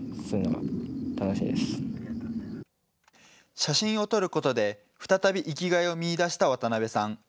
写真を撮ることで、再び生きがいを見いだした渡辺さん。